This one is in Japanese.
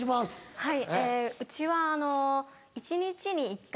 はい。